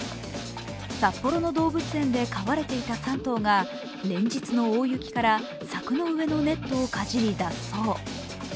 札幌の動物園で飼われていた３頭が連日の大雪から柵の上のネットをかじり、脱走。